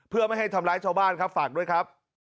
เพื่อไม่ให้ทำร้ายชาวบ้านครับฝากด้วยครับ